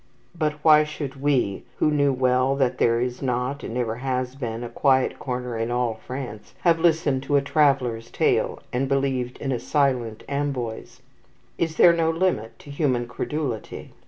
But why should we, who knew well that there is not, and never has been, a quiet corner in all France, have listened to a traveller's tale, and believed in a silent Amboise? Is there no limit to human credulity?